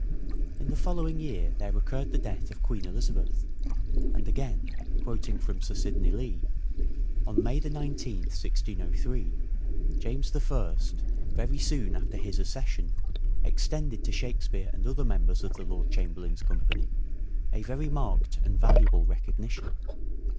In the following year there occurred the death of Queen Elizabeth, and, again quoting from Sir Sidney Lee :" On May igth, 1603, James I, very soon after his accession, extended to Shakespeare and other members of the Lord Chamberlain's company a very marked and valuable recognition.